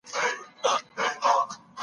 که څوک هګۍ وخوري.